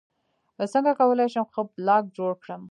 څنګه کولی شم ښه بلاګ جوړ کړم